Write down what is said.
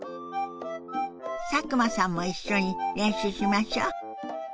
佐久間さんも一緒に練習しましょ。